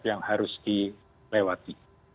yang harus dilewati